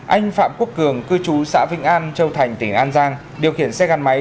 anh phạm quốc cường cư trú xã vĩnh an châu thành tỉnh an giang điều khiển xe gắn máy